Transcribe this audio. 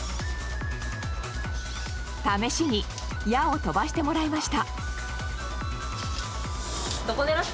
試しに矢を飛ばしてもらいました。